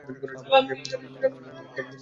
আমি ফোনে কথা বলা পছন্দ করি না।